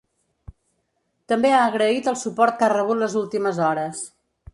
També ha agraït el suport que ha rebut les últimes hores.